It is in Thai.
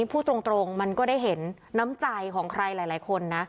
พูดตรงมันก็ได้เห็นน้ำใจของใครหลายคนนะ